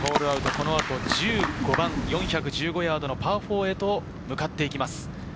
この後、１５番４１５ヤードのパー４へと向かっていきます。